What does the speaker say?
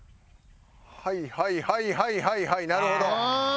はいはいはいはいはいなるほど。